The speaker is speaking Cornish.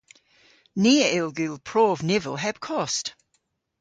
Ni a yll gul prov nivel heb kost.